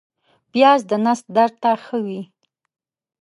پیاز د نس درد ته ښه وي